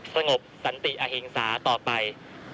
สงบสันติอเหงาต่อไป